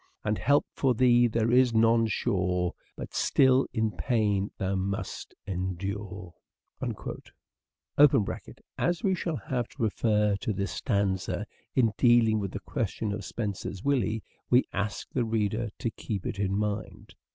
And help for thee there is none sure, But still in pain thou must endure." (As we shall have to refer to this stanza in dealing with the question of " Spenser's Willie " we ask the reader to keep it in mind.)